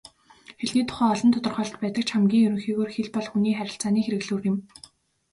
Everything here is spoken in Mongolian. Хэлний тухай олон тодорхойлолт байдаг ч хамгийн ерөнхийгөөр хэл бол хүний харилцааны хэрэглүүр юм.